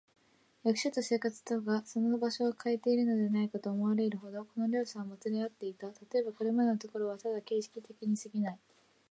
役所と生活とがその場所をかえているのではないか、と思われるほど、この両者はもつれ合っていた。たとえば、これまでのところはただ形式的にすぎない、